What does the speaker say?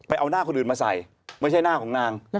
เอาหน้าคนอื่นมาใส่ไม่ใช่หน้าของนาง